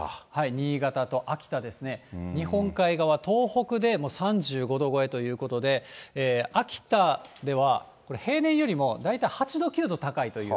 新潟と秋田ですね、日本海側、東北で３５度超えということで、秋田では平年よりも大体８度、９度高いという。